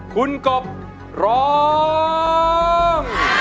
คุณกบร้อง